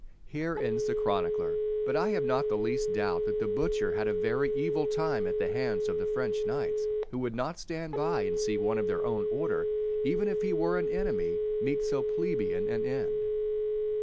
Here ends the chronicler; but I have not the least doubt that the butcher had a very evil time at the hands of the French knights, who would not stand by and see one of their own order, even if he were an enemy, meet so plebeian an end.